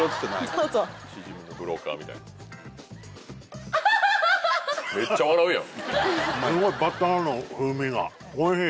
すごいバターの風味がおいしい。